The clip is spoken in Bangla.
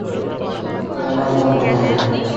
ওতে কিন্তু আমার আর কষ্ট হয় না।